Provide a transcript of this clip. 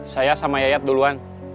saya sama yayat duluan